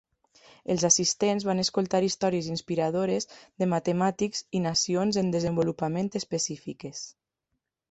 Els assistents van escoltar històries inspiradores de matemàtics i nacions en desenvolupament específiques.